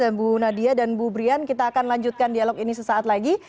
dan bu nadia dan bu brian kita akan lanjutkan dialog ini sesaat lagi